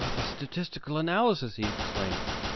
"The statistical analysis!" he exclaimed.